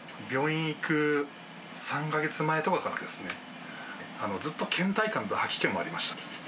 病院行く３か月前とかからですね、ずっとけん怠感と吐き気もありました。